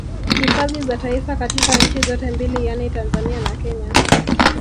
Hifadhi za Taifa katika nchi zote mbili yani Tanzania na Kenya